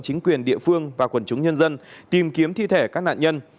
chính quyền địa phương và quần chúng nhân dân tìm kiếm thi thể các nạn nhân